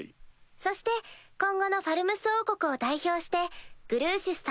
そして今後のファルムス王国を代表してグルーシス様